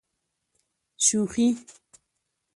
شوخي.